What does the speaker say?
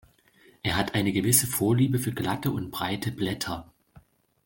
Er hat eine gewisse Vorliebe für glatte und breite Blätter.